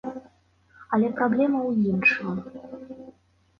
Але праблема ў іншым.